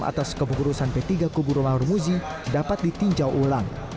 atas kepengurusan p tiga kubu romahur muzi dapat ditinjau ulang